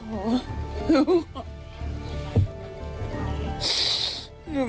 หนูไม่ไหว